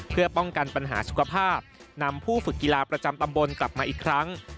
เพื่อป้องกันปัญหาสุขภาพนำผู้ฝึกกีฬาประจำตำบลกลับมาอีกครั้ง